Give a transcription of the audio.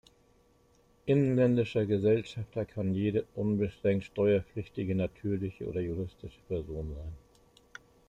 Inländischer Gesellschafter kann jede unbeschränkt steuerpflichtige natürliche oder juristische Person sein.